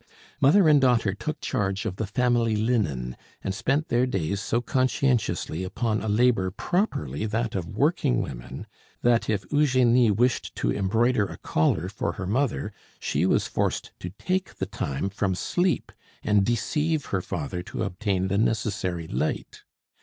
Mother and daughter took charge of the family linen, and spent their days so conscientiously upon a labor properly that of working women, that if Eugenie wished to embroider a collar for her mother she was forced to take the time from sleep, and deceive her father to obtain the necessary light.